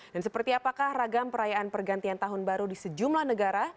dan seperti apakah ragam perayaan pergantian tahun baru di sejumlah negara